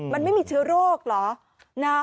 มันไม่มีเชื้อโรคเหรอ